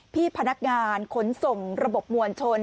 พี่พนักงานขนส่งระบบมวลชน